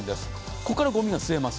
ここからごみが吸えます。